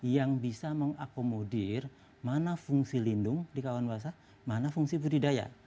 yang bisa mengakomodir mana fungsi lindung di kawasan basah mana fungsi budidaya